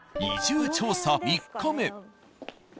移住調査３日目。